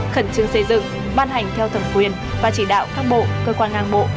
thẩn chứng xây dựng ban hành theo thẩm quyền và chỉ đạo các bộ cơ quan ngang bộ